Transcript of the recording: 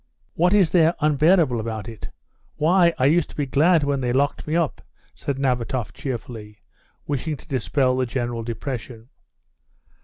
"What is there unbearable about it? Why, I used to be glad when they locked me up," said Nabatoff cheerfully, wishing to dispel the general depression.